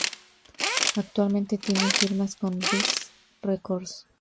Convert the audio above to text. Actualmente tienen firma con Rise Records.